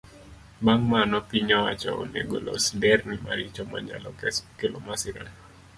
Bang' mano, piny owacho onego los nderni maricho manyalo kelo masira.